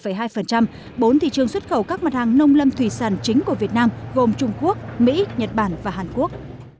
bốn thị trường xuất khẩu các mặt hàng nông lâm thủy sản chính của việt nam gồm trung quốc mỹ nhật bản và hàn quốc